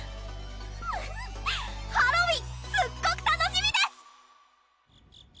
ハロウィーンすっごく楽しみです！